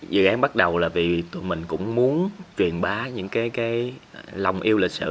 dự án bắt đầu là vì mình cũng muốn truyền bá những cái lòng yêu lịch sử